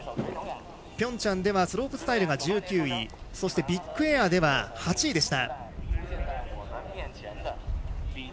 ピョンチャンではスロープスタイルで１９位そしてビッグエアでは８位でした。